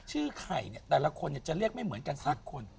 ไข่เนี่ยแต่ละคนจะเรียกไม่เหมือนกันสักคน